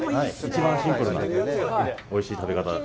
一番シンプルな、おいしい食べ方。